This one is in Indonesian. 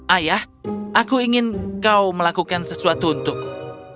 ayah aku ingin kau melakukan sesuatu untukku